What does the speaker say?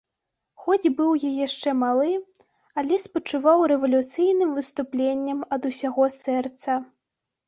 Хоць быў я яшчэ малы, але спачуваў рэвалюцыйным выступленням ад усяго сэрца.